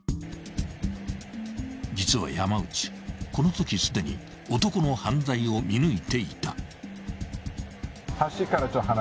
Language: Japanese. ［実は山内このときすでに男の犯罪を見抜いていた］